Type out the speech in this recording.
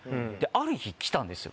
ある日来たんですよ